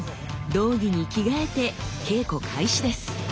胴着に着替えて稽古開始です。